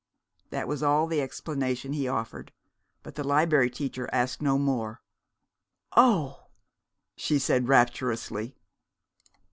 That was all the explanation he offered. But the Liberry Teacher asked no more. "Oh!" she said rapturously.